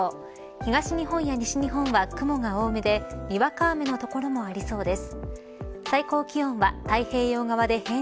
東日本や西日本は雲が多めでにわか雨の所もありそうです。